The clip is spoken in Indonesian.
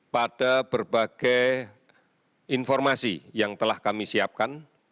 pada berbagai informasi yang telah kami siapkan